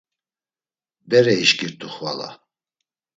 Bere işǩirt̆u xvala.